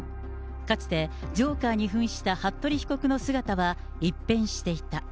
かつてジョーカーにふんした服部被告の姿は一変していた。